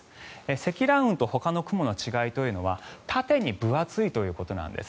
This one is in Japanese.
積乱雲とほかの雲の違いというのは縦に分厚いということです。